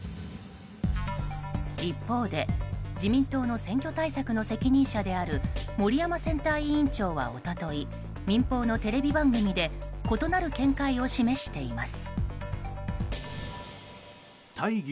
一方で自民党の選挙対策の責任者である森山選対委員長は一昨日民放のテレビ番組で異なる見解を示しています。